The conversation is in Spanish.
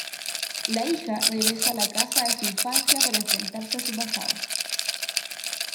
La hija regresa a la casa de su infancia para enfrentarse su pasado.